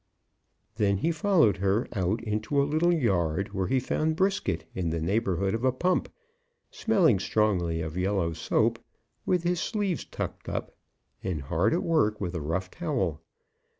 Then he followed her out into a little yard, where he found Brisket in the neighbourhood of a pump, smelling strongly of yellow soap, with his sleeves tucked up, and hard at work with a rough towel.